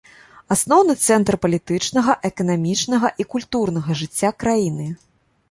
Асноўны цэнтр палітычнага, эканамічнага і культурнага жыцця краіны.